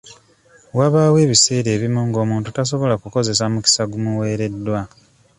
Wabaawo ebiseera ebimu nga omuntu tasobola kukozesa mukisa gumuweereddwa.